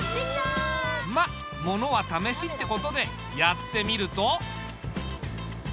まあ物は試しってことでやってみると。